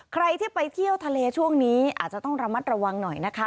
ใครที่ไปเที่ยวทะเลช่วงนี้อาจจะต้องระมัดระวังหน่อยนะคะ